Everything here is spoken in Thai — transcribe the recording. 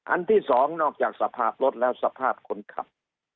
ที่สองนอกจากสภาพรถแล้วสภาพคนขับ